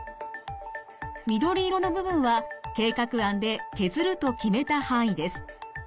緑色の部分は計画案で削ると決めた範囲です。